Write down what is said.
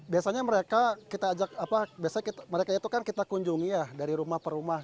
biasanya mereka kita ajak mereka itu kan kita kunjungi ya dari rumah per rumah